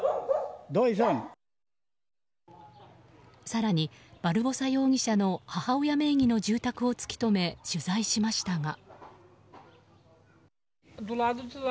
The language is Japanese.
更に、バルボサ容疑者の母親名義の住宅を突き止め取材しましたが。